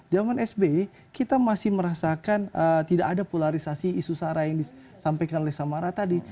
zaman sby kita masih merasakan tidak ada polarisasi isu sara yang disampaikan oleh samara tadi